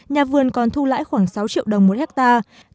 nhà vườn còn thu lãi khoảng sáu triệu đồng một hectare